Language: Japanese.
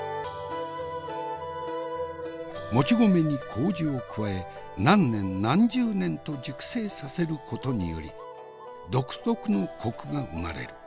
もち米に麹を加え何年何十年と熟成させることにより独特のコクが生まれる。